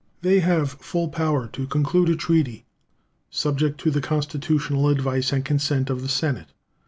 They have full power to conclude a treaty, subject to the constitutional advice and consent of the Senate.